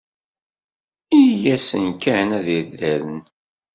Ini-asen kan ad t-id-rren.